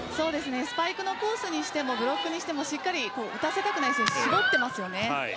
スパイクのコースにしてもブロックにしても打たせたくない選手しっかり絞っていますね。